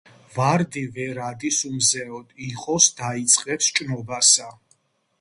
ვარდი ვერ არის უმზეოდ, იყოს, დაიწყებს ჭნობასა